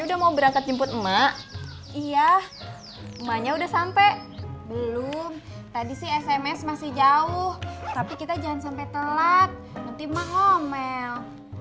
hai udah mau berangkat jemput emak iya emaknya udah sampai belum tadi sih sms masih jauh tapi kita jangan sampai telat nanti mengomel